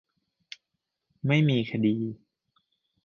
ไม่มีคดี !